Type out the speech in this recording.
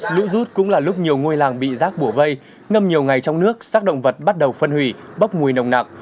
lũ rút cũng là lúc nhiều ngôi làng bị rác bổ vây ngâm nhiều ngày trong nước sát động vật bắt đầu phân hủy bốc mùi nồng nặng